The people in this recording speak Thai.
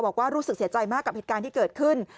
รู้สึกเสียใจมากกับเหตุการณ์ที่เกิดขึ้น